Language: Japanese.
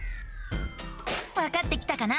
わかってきたかな？